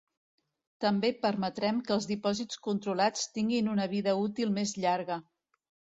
També permetrem que els dipòsits controlats tinguin una vida útil més llarga.